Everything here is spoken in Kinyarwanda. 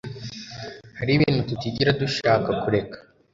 hariho ibintu tutigera dushaka kureka